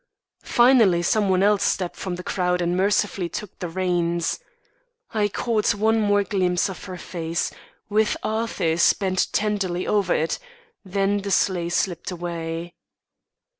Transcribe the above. Finally some one else stepped from the crowd and mercifully took the reins. I caught one more glimpse of her face, with Arthur's bent tenderly over it; then the sleigh slipped away.